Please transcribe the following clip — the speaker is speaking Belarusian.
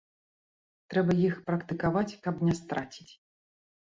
Трэба іх практыкаваць, каб не страціць.